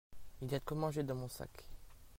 Il y a de quoi manger dans mon sac.